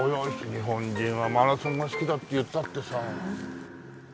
日本人はマラソンが好きだっていったってさ。